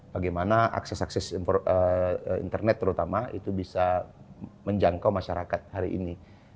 bagaimana akses akses internet terutama itu bisa menjangkau masyarakat hari ini